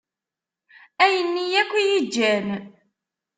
Ayen-nni akk i yi-iǧǧan.